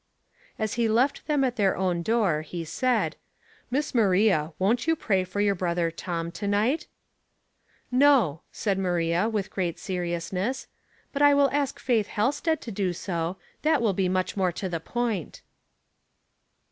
As he left them at their own door he said, —" Miss Maria, won't you pray for your brother Tom, to night ?'* "No," said Maria, with great seriousness. " But I will ask Faith Halsted to do so. That will be much more to the point."